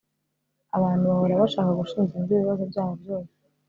abantu bahora bashaka gushinja undi ibibazo byabo byose